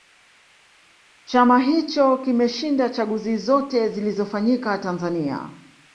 chama hicho kimeshinda chaguzi zote zilizofanyika tanzania